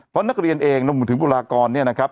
เพราะนักเรียนเองรวมถึงบุคลากรเนี่ยนะครับ